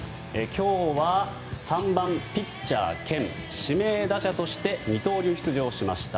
今日は３番ピッチャー兼指名打者として二刀流出場しました。